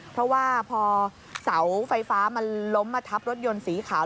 เพราะว่าพอเสาไฟฟ้ามันล้มมาทับรถยนต์สีขาว